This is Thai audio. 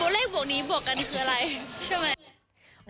เลขบวกนี้บวกกันคืออะไรใช่ไหม